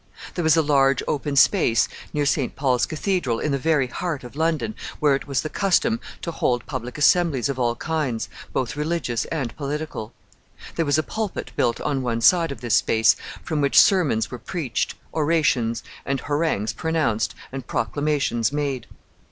There was a large open space near St. Paul's Cathedral, in the very heart of London, where it was the custom to hold public assemblies of all kinds, both religious and political. There was a pulpit built on one side of this space, from which sermons were preached, orations and harangues pronounced, and proclamations made.